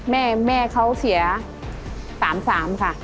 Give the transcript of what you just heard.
แม่เค้าเสียสามสามค่ะ